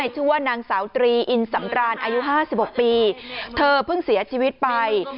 ชื่อว่านางสาวตรีอินสำราญอายุ๕๖ปีเธอเพิ่งเสียชีวิตไป